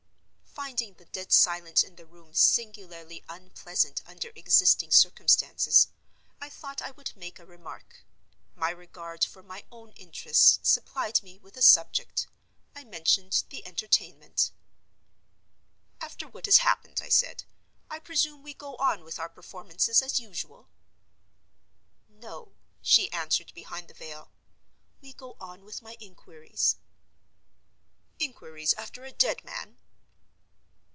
Finding the dead silence in the room singularly unpleasant under existing circumstances, I thought I would make a remark. My regard for my own interests supplied me with a subject. I mentioned the Entertainment. "After what has happened," I said, "I presume we go on with our performances as usual?" "No," she answered, behind the veil. "We go on with my inquiries." "Inquiries after a dead man?"